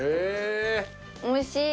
おいしい。